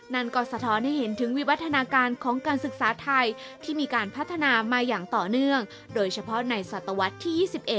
นั่นก็สะท้อนให้เห็นถึงวิวัฒนาการของการศึกษาไทยที่มีการพัฒนามาอย่างต่อเนื่องโดยเฉพาะในศตวรรษที่๒๑